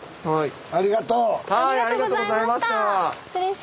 はい。